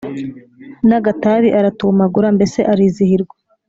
N'agatabi aratumagura mbese arizihirwa